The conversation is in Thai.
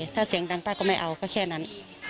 ถ้าเสียงดังป้าก็ไม่เอาก็แค่นั้น